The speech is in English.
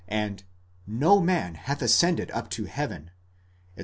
and, Wo man hath ascended up to heaven, etc.